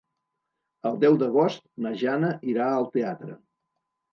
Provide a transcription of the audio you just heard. El deu d'agost na Jana irà al teatre.